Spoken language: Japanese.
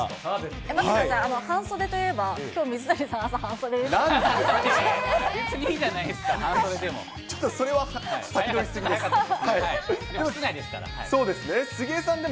待ってください、半袖といえば、きょう、水谷さん、朝、半袖でしたよね。